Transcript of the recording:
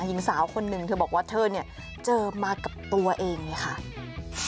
หญิงสาวคนหนึ่งเธอบอกว่าเธอเนี่ยเจอมากับตัวเองเลยค่ะ